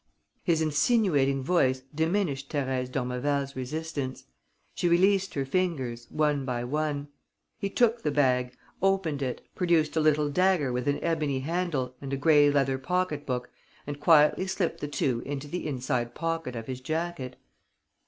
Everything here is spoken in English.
His insinuating voice diminished Thérèse d'Ormeval's resistance. She released her fingers, one by one. He took the bag, opened it, produced a little dagger with an ebony handle and a grey leather pocket book and quietly slipped the two into the inside pocket of his jacket.